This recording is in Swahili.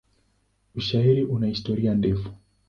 Ushairi una historia ndefu.